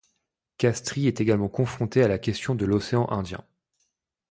Castries est également confronté à la question de l'océan Indien.